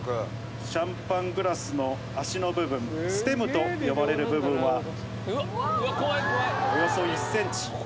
シャンパングラスの脚の部分、ステムと呼ばれる部分はおよそ１センチ。